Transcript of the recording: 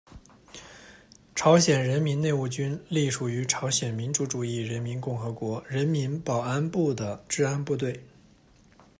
朝鲜人民内务军隶属于朝鲜民主主义人民共和国人民保安部的治安部队。